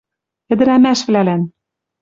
ӸДӸРӒМӒШВЛӒЛӒН